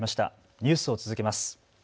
ニュースを続けます。